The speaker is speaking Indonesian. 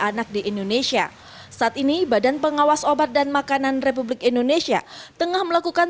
anak di indonesia saat ini badan pengawas obat dan makanan republik indonesia tengah melakukan